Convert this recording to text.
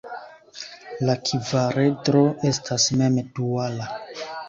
La kvaredro estas mem duala.